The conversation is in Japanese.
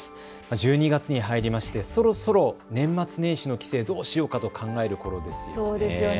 １２月に入りましてそろそろ年末年始の帰省、どうしようかと考えるころですよね。